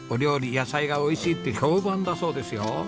野菜がおいしいって評判だそうですよ。